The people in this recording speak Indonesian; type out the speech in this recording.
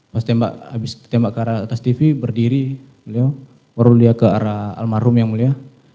pas tembak ke arah atas tv berdiri baru dia ke arah almarhum yang mulia